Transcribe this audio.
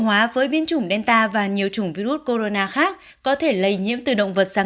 hóa với biến chủng delta và nhiều chủng virus corona khác có thể lây nhiễm từ động vật sang